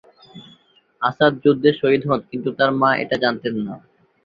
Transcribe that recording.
আসাদ যুদ্ধে শহিদ হন, কিন্তু তার মা এটা জানতেন না।